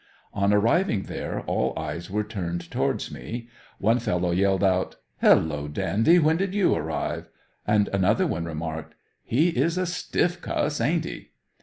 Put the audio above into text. On arriving there all eyes were turned towards me. One fellow yelled out, "Hello dandy, when did you arrive!" and another one remarked, "He is a stiff cuss aint he?"